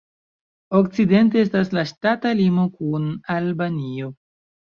Okcidente estas la ŝtata limo kun Albanio.